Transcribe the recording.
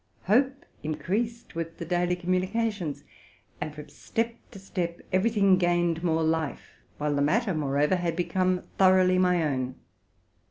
Hope increased with the daily communice tions, and from step to step every thing gained more fie, ; while the matter, moreover, had become thoroughly my own.